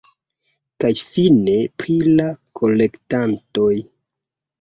Kaj fine pri la kolektantoj.